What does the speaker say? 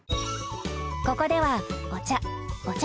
ここではお茶お茶